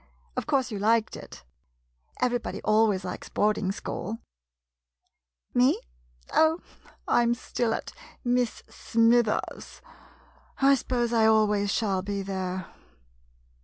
Of course, you liked it? Everybody always likes boarding school ? Me ? Oh, I 'm still at Miss Smithers' — I suppose I always shall be there.